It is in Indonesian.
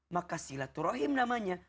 maka silaturahim namanya